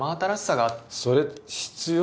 それ必要？